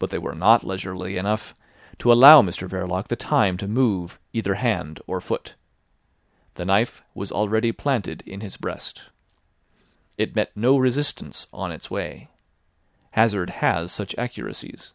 But they were not leisurely enough to allow Mr Verloc the time to move either hand or foot. The knife was already planted in his breast. It met no resistance on its way. Hazard has such accuracies.